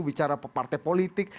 bicara partai politik